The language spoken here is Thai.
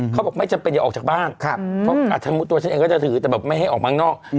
เขาบอกไม่จำเป็นอย่าออกจากบ้านเพราะสมมุติตัวฉันเองก็จะถือแต่แบบไม่ให้ออกข้างนอก